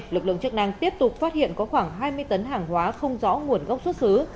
lực lượng chức năng tiếp tục phát hiện có khoảng hai mươi tấn hàng hóa không rõ nguồn gốc xuất xứ